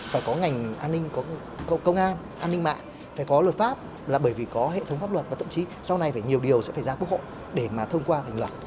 phải có ngành an ninh có công an an ninh mạng phải có luật pháp là bởi vì có hệ thống pháp luật và tổng chí sau này nhiều điều sẽ phải ra bức hộ để mà thông qua thành luật